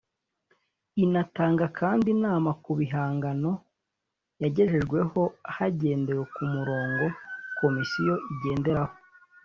inatanga kandi inama ku bihangano yagejejweho hagendewe ku murongo komisiyo igenderaho